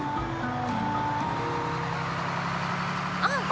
あ！